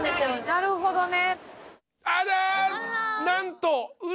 なるほどね。